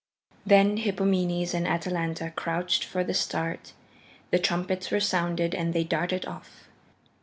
Then Hippomenes and Atalanta crouched for the start. The trumpets were sounded and they darted off.